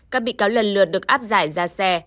các bị cáo lần lượt được áp giải ra xe